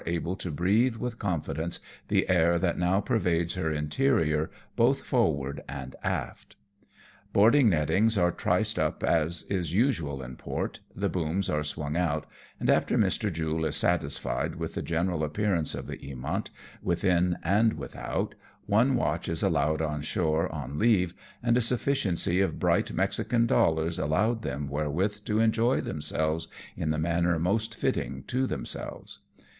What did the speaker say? able to breathe with confidence the air that now pervades her interior, both forward and aft. Boarding nettings are triced up as is usual in port, the booms are swung out, and after Mr. Jule is satisfied with the general appearance of the Edmont, within and without, one watch is allowed on shore on leave, and a sufiiciency of bright Mexican dollars allowed them wherewith to enjoy themselves in the manner most fitting to themselves.